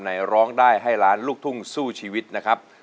ร้องได้ให้ล้านลูกทุ่งสู้ชีวิตนะครับ